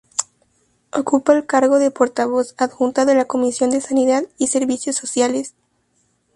Ocupa el cargo de portavoz adjunta de la Comisión de Sanidad y Servicios Sociales.